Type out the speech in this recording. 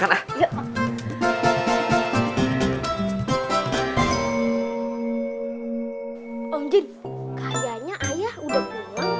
om jin kayaknya ayah udah pulang tuh